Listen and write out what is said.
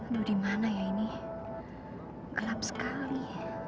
mobilnya udah berhenti